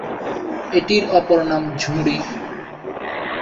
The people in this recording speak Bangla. এটির অপর নাম "জুড়ি"।